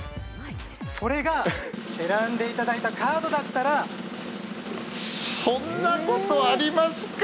これが選んでいただいたカードだったらそんなことありますか。